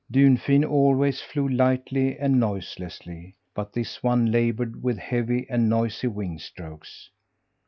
Dunfin always flew lightly and noiselessly, but this one laboured with heavy and noisy wing strokes.